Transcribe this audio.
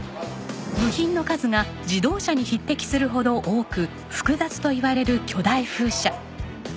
部品の数が自動車に匹敵するほど多く複雑といわれる巨大風車。